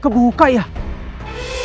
udah langgung banget lagi